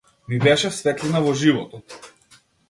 Ми беше светлина во животот.